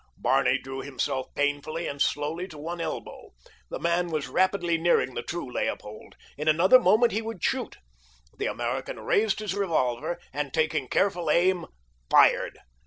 Barney drew himself painfully and slowly to one elbow. The man was rapidly nearing the true Leopold. In another moment he would shoot. The American raised his revolver and, taking careful aim, fired.